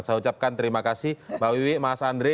saya ucapkan terima kasih mbak wiwi mas andre